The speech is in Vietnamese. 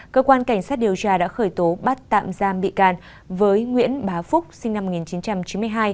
cơ quan cảnh sát điều tra đã khởi tố bắt tạm giam bị can với nguyễn bá phúc sinh năm một nghìn chín trăm chín mươi hai